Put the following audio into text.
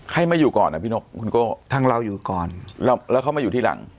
ใครมาอยู่ก่อนน่ะพี่นกคุณโก้แล้วเขามาอยู่ที่หลัง